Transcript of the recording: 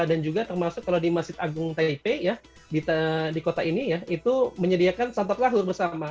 dan juga termasuk kalau di masjid agung taipei ya di kota ini ya itu menyediakan santap lahur bersama